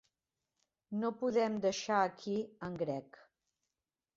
No podem deixar aquí en Greg.